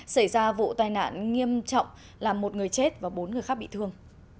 xảy ra vụ tai nạn nghiêm trọng làm một người chết và bốn người khác bị thương